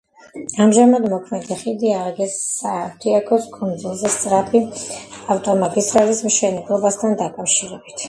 ამჟამად მოქმედი ხიდი ააგეს სააფთიაქოს კუნძულზე სწრაფი ავტომაგისტრალის მშენებლობასთან დაკავშირებით.